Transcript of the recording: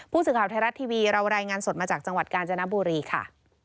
ผู้สื่อข่าวไทยรัฐทีวีเรารายงานสดมาจากจังหวัดกาญจนบุรีค่ะ